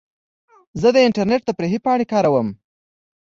زه د انټرنیټ تفریحي پاڼې کاروم.